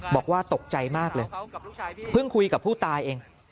บอกว่าตกใจมากเลยเพิ่งคุยกับผู้ตายเอง